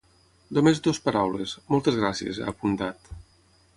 Només dues paraules: moltes gràcies, ha apuntat.